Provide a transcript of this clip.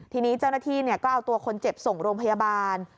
ทีนี้เจ้าหน้าที่ก็เอาตัวคนเจ็บส่งโรงพยาบาล